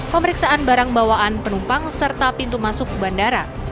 pemeriksaan barang bawaan penumpang serta pintu masuk bandara